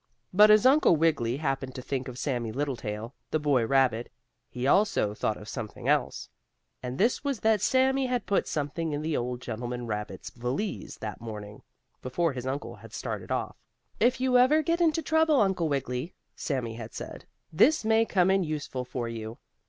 But as Uncle Wiggily happened to think of Sammie Littletail, the boy rabbit, he also thought of something else. And this was that Sammie had put something in the old gentleman rabbit's valise that morning, before his uncle had started off. "If you ever get into trouble, Uncle Wiggily," Sammie had said, "this may come in useful for you."